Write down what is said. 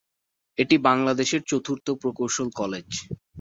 এটি বাংলাদেশের চতুর্থ প্রকৌশল কলেজ।